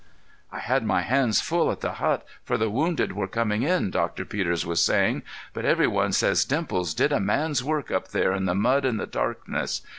"I had my hands full at the hut, for the wounded were coming in," Doctor Peters was saying, "but every one says Dimples did a man's work up there in the mud and the darkness.